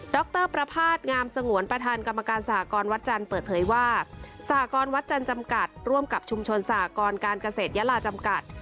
รประพาทงามสงวนประธานกรรมการสหกรวัดจันทร์เปิดเผยว่าสหกรวัดจันทร์จำกัดร่วมกับชุมชนสหกรการเกษตรยาลาจำกัด